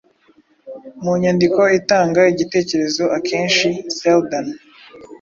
mumyandiko itanga igitekerezo Akenshi seldan